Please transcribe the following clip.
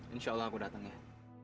insya allah aku datang ya